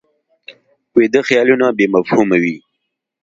ویده خیالونه بې مفهومه وي